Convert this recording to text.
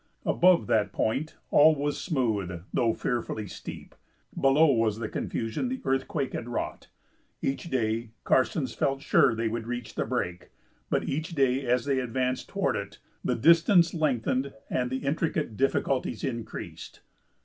Above that point all was smooth, though fearfully steep; below was the confusion the earthquake had wrought. Each day Karstens felt sure they would reach the break, but each day as they advanced toward it the distance lengthened and the intricate difficulties increased.